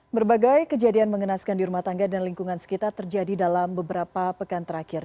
berbagai kejadian mengenaskan di rumah tangga dan lingkungan sekitar terjadi dalam beberapa pekan terakhir